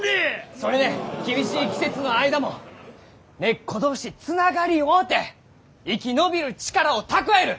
それで厳しい季節の間も根っこ同士つながり合うて生き延びる力を蓄える！